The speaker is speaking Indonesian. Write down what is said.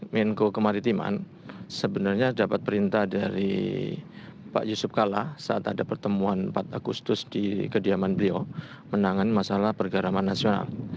menko kemaritiman sebenarnya dapat perintah dari pak yusuf kalla saat ada pertemuan empat agustus di kediaman beliau menangani masalah pergaraman nasional